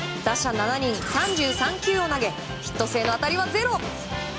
打者７人、３３球を投げヒット性の当たりはゼロ。